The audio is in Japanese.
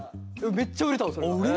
めっちゃ売れたのそれが。